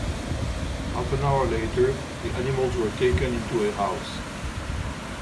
Half an hour later, the animals were taken into a house.